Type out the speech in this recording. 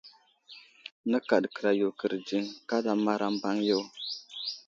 Nəkaɗ kəra yo kərdziŋ ,kaɗamar a mbaŋ yo.